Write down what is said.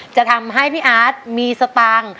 จะทำให้พี่อาร์ตมีสตางค์